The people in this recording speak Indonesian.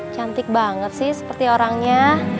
cantik banget sih seperti orangnya